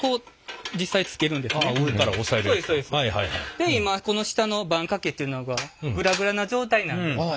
で今この下の盤かけっていうのがグラグラな状態なんで。